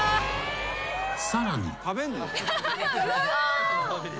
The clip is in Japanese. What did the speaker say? ［さらに］